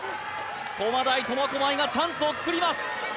駒大苫小牧がチャンスをつくります